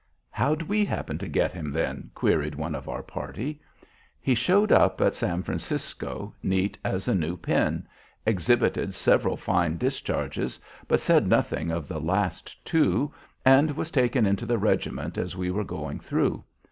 '" "How'd we happen to get him, then?" queried one of our party. "He showed up at San Francisco, neat as a new pin; exhibited several fine discharges, but said nothing of the last two, and was taken into the regiment as we were going through.